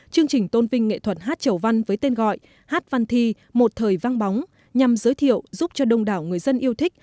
chương trình tôn vinh nghệ thuật hát chầu văn với tên gọi hát văn thi một thời vang bóng nhằm giới thiệu giúp cho đông đảo người dân yêu thích